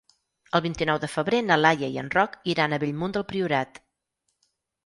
El vint-i-nou de febrer na Laia i en Roc iran a Bellmunt del Priorat.